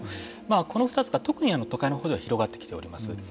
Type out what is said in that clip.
この２つが特に都会のほうでは広がってきております。